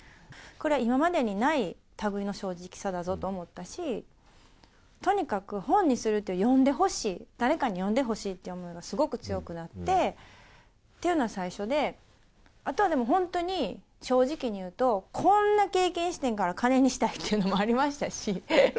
これは今までにないたぐいの正直さだぞと思ったし、とにかく本にするって読んでほしい、誰かに読んでほしいっていう思いがすごく強くなってっていうのが最初で、あとはでも、本当に正直にいうと、こんな経験してんから、金にしたいっていうのもありましたし。